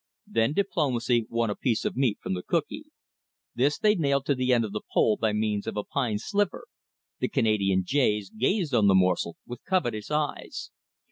Then diplomacy won a piece of meat from the cookee. This they nailed to the end of the pole by means of a pine sliver. The Canada jays gazed on the morsel with covetous eyes.